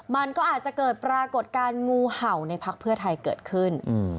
มันก็อาจจะเกิดปรากฏการณ์งูเห่าในพักเพื่อไทยเกิดขึ้น